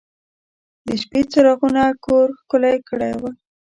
د شپې څراغونو کور ښکلی کړی و.